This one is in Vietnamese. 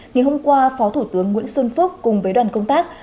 ngày hôm qua phó thủ tướng nguyễn xuân phúc cùng với đoàn công tác